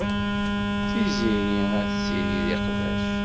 Tiziri ad tessired iqbac.